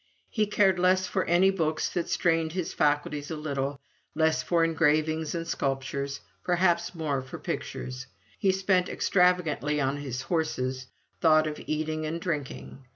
He cared less for any books that strained his faculties a little less for engravings and sculptures perhaps more for pictures. He spent extravagantly on his horses; "thought of eating and drinking."